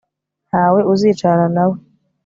Ntawe uzicarana nawe